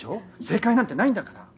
正解なんてないんだから。